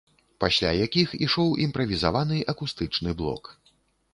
Пасля якіх ішоў імправізаваны акустычны блок.